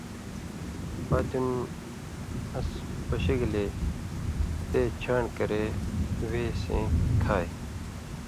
پاتیُون اس پیݜِگلے تے چھان٘ڑ کرے وے سَیں کھیائ۔